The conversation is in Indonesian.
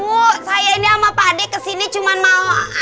bu saya ini sama pak ade kesini cuma mau